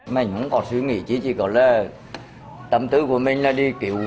mình không có suy nghĩ chứ chỉ có là tâm tư của mình là đi cứu